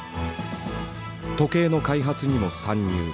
時計の開発にも参入。